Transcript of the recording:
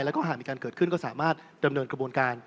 แล้วก็หากมีการเกิดขึ้นก็สามารถดำเนินกระบวนการ